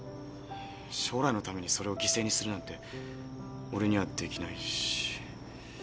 将来のためにそれを犠牲にするなんて俺にはできないし。